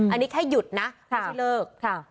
อันนี้แค่หยุดนะไม่ใช่เลิก